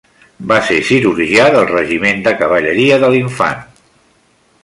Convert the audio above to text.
Va ser cirurgià del regiment de cavalleria de l'Infant.